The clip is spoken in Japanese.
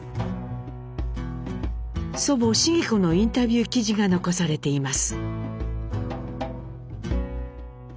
祖母繁子のインタビュー記事が残されています。